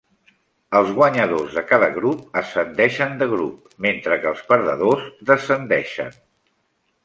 Els guanyadors de cada grup ascendeixen de grup mentre que els perdedors descendeixen.